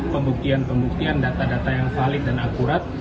pembuktian pembuktian data data yang valid dan akurat